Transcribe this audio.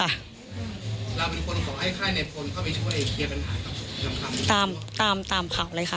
เราเป็นคนขอให้ค่ายในพลเข้าไปช่วยเคลียร์ปัญหากับคำตามตามตามข่าวเลยค่ะ